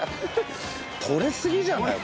とれすぎじゃない？